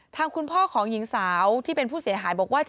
ทางคุณพ่อของหญิงสาวที่เป็นผู้เสียหายบอกว่า